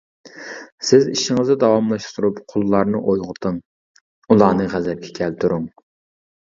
سىز ئىشىڭىزنى داۋاملاشتۇرۇپ قۇللارنى ئويغىتىڭ، ئۇلارنى غەزەپكە كەلتۈرۈڭ.